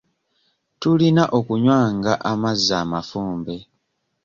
Tulina okunywanga amazzi amafumbe.